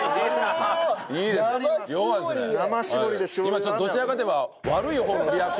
今ちょっとどちらかといえば悪い方のリアクションだったんで。